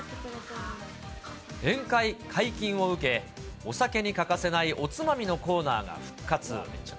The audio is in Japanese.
宴会解禁を受け、お酒に欠かせないおつまみのコーナーが復活。